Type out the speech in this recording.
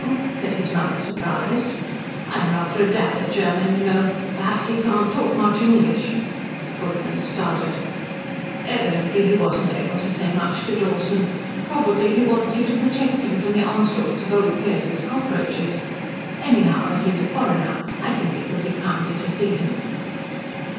said his mother surprised. "I'm rather a dab at German, you know. Perhaps he can't talk much English" the footman started "evidently he wasn't able to say much to Dawson. Probably he wants you to protect him from the onslaughts of old Pearce's cockroaches. Anyhow as he's a foreigner I think it would be kinder to see him."